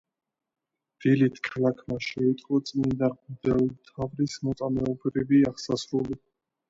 დილით ქალაქმა შეიტყო წმიდა მღვდელმთავრის მოწამეობრივი აღსასრული.